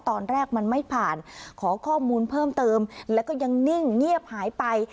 ตอนแรกมันไม่ผ่านขอข้อมูลเพิ่มเติมแล้วก็ยังนิ่งเงียบหายไป